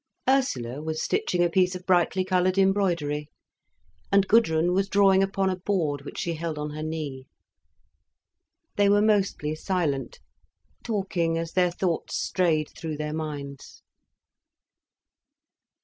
Ursula was stitching a piece of brightly coloured embroidery, and Gudrun was drawing upon a board which she held on her knee. They were mostly silent, talking as their thoughts strayed through their minds.